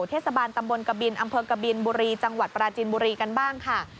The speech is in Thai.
เทศบาลตำบลกบินอำเภอกบินบุรีจังหวัดปราจินบุรีกันบ้างค่ะ